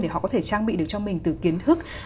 để họ có thể trang bị được cho mình từ kiến thức